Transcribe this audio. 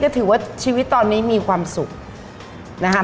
ก็ถือว่าชีวิตตอนนี้มีความสุขนะคะ